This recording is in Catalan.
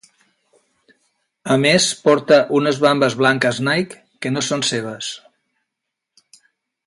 A més porta unes vambes blanques Nike que no són seves.